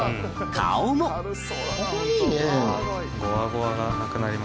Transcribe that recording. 顔もかわいいね。